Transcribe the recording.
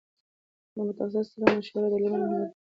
له متخصص سره مشوره د درملنې مهمه برخه ده.